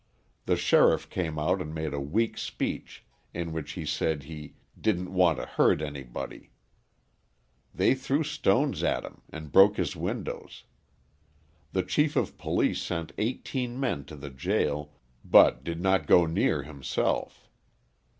The sheriff came out and made a weak speech in which he said he "didn't want to hurt anybody." They threw stones at him and broke his windows. The chief of police sent eighteen men to the jail but did not go near himself.